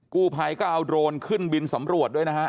กู้ภัยก็เอาโดรนขึ้นบินสำรวจด้วยนะฮะ